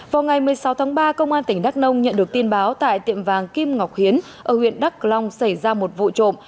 vào ngày một mươi sáu tháng ba công an tỉnh đắk nông nhận được tin báo tại tiệm vàng kim ngọc hiến ở huyện đắk long xảy ra một vụ trộm